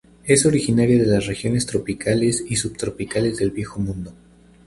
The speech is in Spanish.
Es originaria de las regiones tropicales y subtropicales del Viejo Mundo.